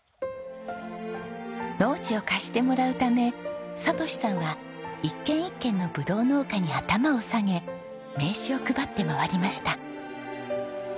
農地を貸してもらうため哲さんは一軒一軒のぶどう農家に頭を下げ名刺を配って回りました。